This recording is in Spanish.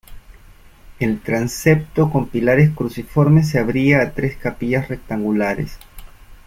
El transepto con pilares cruciformes se abría a tres capillas rectangulares.